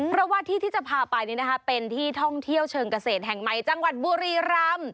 เพราะว่าที่ที่จะพาไปเป็นที่ท่องเที่ยวเชิงเกษตรแห่งใหม่จังหวัดบุรีรำ